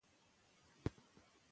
نوښت وکړئ.